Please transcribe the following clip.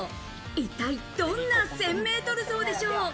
一体どんな１０００ｍ走でしょう。